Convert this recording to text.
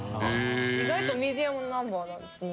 意外とミディアムナンバーなんですね。